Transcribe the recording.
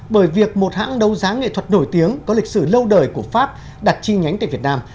bởi việc một hãng đấu giá nghệ thuật nổi tiếng có lịch sử lâu đời của pháp đặt chi nhánh tại việt nam